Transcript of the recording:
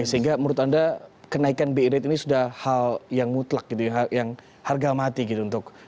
sehingga menurut anda kenaikan bi rate ini sudah hal yang mutlak gitu ya yang harga mati gitu untuk